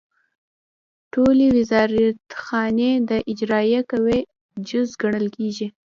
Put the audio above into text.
ټولې وزارتخانې د اجرائیه قوې جز ګڼل کیږي.